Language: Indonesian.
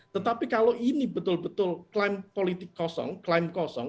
tetapi kalau ini betul betul klaim politik kosong klaim kosong